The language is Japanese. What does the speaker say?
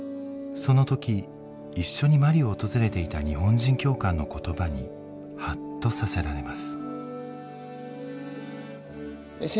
その時一緒にマリを訪れていた日本人教官の言葉にハッとさせられます。